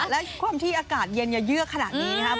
และความที่อากาศเย็นอย่าเยื่อขนาดนี้นะครับ